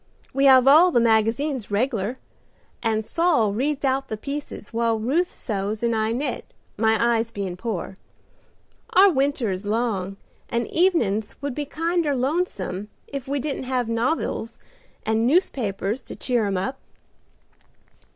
We have all the magazines reg'lar, and Saul reads out the pieces while Ruth sews and I knit, my eyes bein' poor. Our winter is long and evenins would be kinder lonesome if we didn't have novils and newspapers to cheer 'em up."